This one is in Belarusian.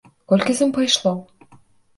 Колькі з ім пайшло?